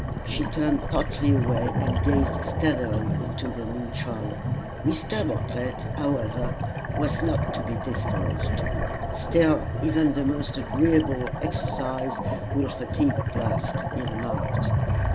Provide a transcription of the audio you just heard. She turned partly away, and gazed steadily into the moonshine. Mr. Bartlett, however, was not to be discouraged. "Still, even the most agreeable exercise will fatigue at last," he remarked.